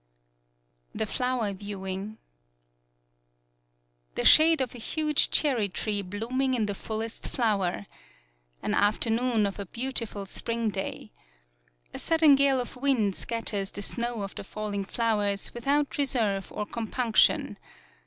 THE FLOWEB VIEWING The shade of a huge cherry tree blooming in the fullest flower. An af ternoon of a beautiful spring day. A sudden gale of wind scatters the snow of the falling flowers without reserve or compunction.